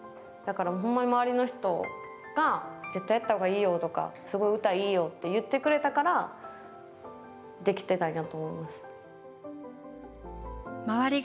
だからホンマに周りの人が絶対やった方がいいよとかすごい歌いいよって言ってくれたからできてたんやと思います。